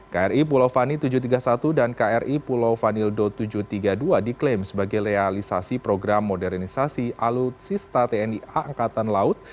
kri pulau fani tujuh ratus tiga puluh satu dan kri pulau vanildo tujuh ratus tiga puluh dua diklaim sebagai realisasi program modernisasi alutsista tni angkatan laut